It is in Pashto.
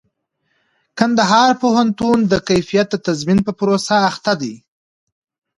کندهار پوهنتون د کيفيت د تضمين په پروسه اخته دئ.